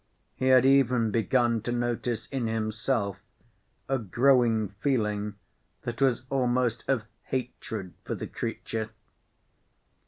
He had even begun to notice in himself a growing feeling that was almost of hatred for the creature.